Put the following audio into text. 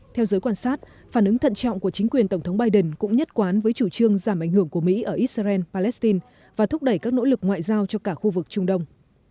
theo giới quan sát phản ứng thận trọng của chính quyền tổng thống biden cũng nhất quán với chủ trương giảm ảnh hưởng của mỹ ở israel palestine và thúc đẩy các nỗ lực ngoại giao cho cả khu vực trung đông